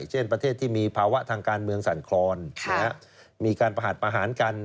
เช่นประเทศที่มีภาวะทางการเมืองสั่นคลอนมีการประหัสประหารกัน